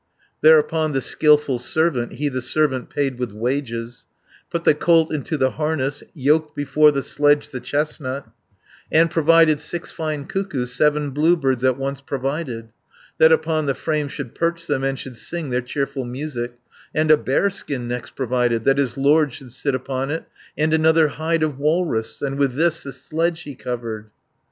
Thereupon the skilful servant, He the servant paid with wages, Put the colt into the harness, Yoked before the sledge the chestnut, And provided six fine cuckoos, Seven blue birds at once provided, 410 That upon the frame should perch them, And should sing their cheerful music; And a bearskin next provided, That his lord should sit upon it, And another hide of walrus, And with this the sledge he covered.